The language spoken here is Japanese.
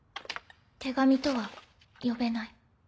手紙とは呼べない。